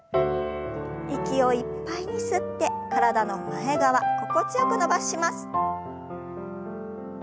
息をいっぱいに吸って体の前側心地よく伸ばします。